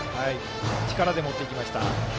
力で持っていきました。